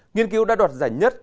nghiên cứu đã đoạt giải nhất